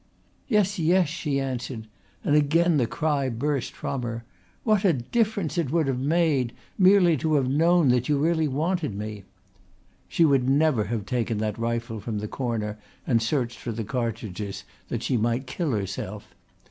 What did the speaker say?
"Yes, yes," she answered, and again the cry burst from her: "What a difference it would have made! Merely to have known that you really wanted me!" She would never have taken that rifle from the corner and searched for the cartridges, that she might kill herself!